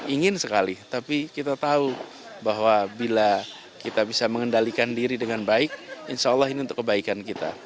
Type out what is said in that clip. ingin sekali tapi kita tahu bahwa bila kita bisa mengendalikan diri dengan baik insya allah ini untuk kebaikan kita